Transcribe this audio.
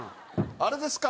あれですか？